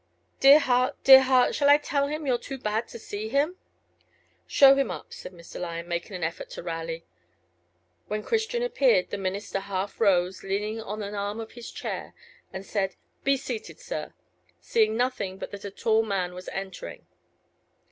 Dear heart, dear heart! shall I tell him you're too bad to see him?" "Show him up," said Mr. Lyon, making an effort to rally. When Christian appeared, the minister half rose, leaning on an arm of his chair, and said, "Be seated, sir," seeing nothing but that a tall man was entering.